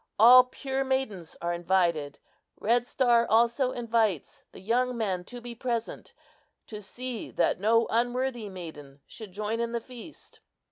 All pure maidens are invited. Red Star also invites the young men to be present, to see that no unworthy maiden should join in the feast."